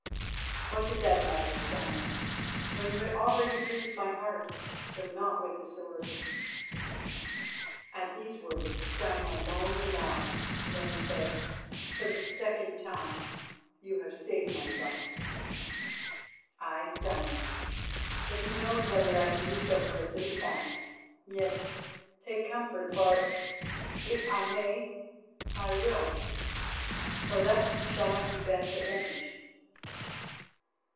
"What did that matter, Steinar, when you had already pierced my heart, though not with a sword?" At these words Steinar moaned aloud, then said: "For the second time you have saved my life." "Aye, Steinar; but who knows whether I can do so for a third time? Yet take comfort, for if I may I will, for thus shall I be best avenged."